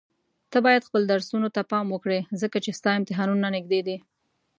ته بايد خپل درسونو ته پام وکړي ځکه چي ستا امتحانونه نيږدي دي.